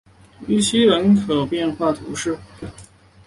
于西人口变化图示